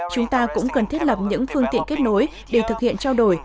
chúng ta cũng cần thiết lập những phương tiện kết nối để thực hiện trao đổi